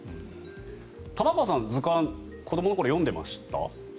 玉川さん図鑑、子どもの頃読んでました？